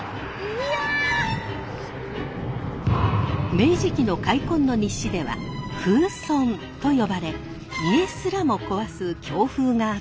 明治期の開墾の日誌では風損と呼ばれ家すらも壊す強風があったといいます。